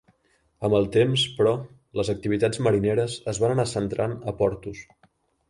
Amb el temps, però, les activitats marineres es van anar centrant a Portus.